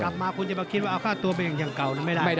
กลับมาคุณจะมาคิดว่าค่าตัวเป็นอย่างเก่า